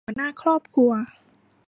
หัวหน้าครอบครัว